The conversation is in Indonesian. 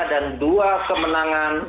dan dua kemenangan